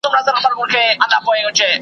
د صابرانو سره خدای ج ملګری وي